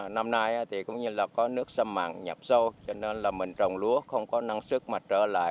năm nay có nước xâm mặn nhập sâu cho nên mình trồng lúa không có năng sức mà trở lại